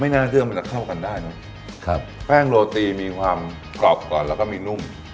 น่าเชื่อมันจะเข้ากันได้เนอะครับแป้งโรตีมีความกรอบก่อนแล้วก็มีนุ่ม